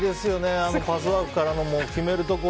あのパスワークから決めるところ。